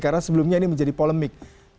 karena sebelumnya ini menjadi polemik